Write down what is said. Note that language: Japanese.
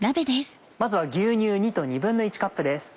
まずは牛乳２と１／２カップです。